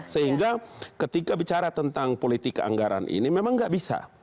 sehingga ketika bicara tentang politik anggaran ini memang nggak bisa